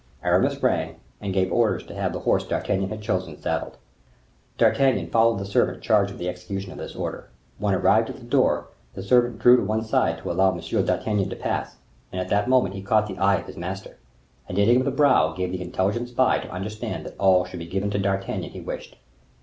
Aramis rang, and gave orders to have the horse M. d'Artagnan had chosen saddled. D'Artagnan followed the servant charged with the execution of this order. When arrived at the door, the servant drew on one side to allow M. d'Artagnan to pass; and at that moment he caught the eye of his master. A knitting of the brow gave the intelligent spy to understand that all should be given to D'Artagnan he wished.